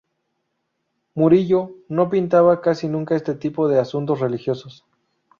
Murillo no pintaba casi nunca este tipo de asuntos religiosos.